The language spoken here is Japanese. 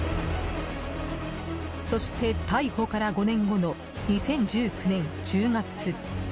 そして、逮捕から５年後の２０１９年１０月。